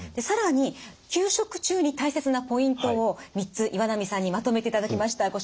更に休職中に大切なポイントを３つ岩波さんにまとめていただきました。